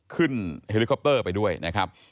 เฮลิคอปเตอร์ไปด้วยนะครับ